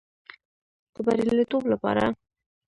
د بریالیتوب لپاره